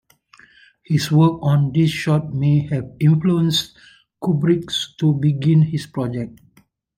His work on this short may have influenced Kubrick to begin his project.